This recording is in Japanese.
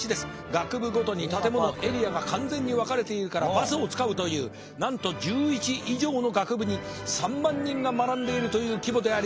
学部ごとに建物エリアが完全に分かれているからバスを使うというなんと１１以上の学部に３万人が学んでいるという規模であります。